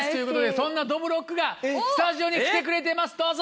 そんなどぶろっくがスタジオに来てくれていますどうぞ！